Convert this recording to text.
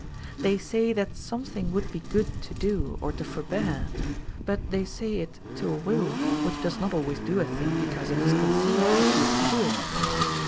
They say that something would be good to do or to forbear, but they say it to a will which does not always do a thing because it is conceived to be good to do it.